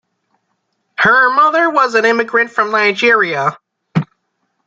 Her mother was an immigrant from Nigeria.